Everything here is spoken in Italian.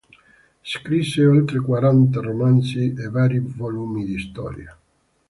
Scrisse oltre quaranta romanzi e vari volumi di storia.